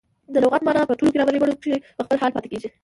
د لغت مانا په ټولو ګرامري بڼو کښي په خپل حال پاته کیږي.